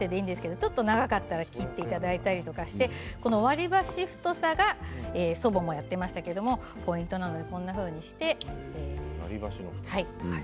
ちょっと長かったら切っていただいたりして割り箸の太さが祖母も言っていましたけれどポイントです。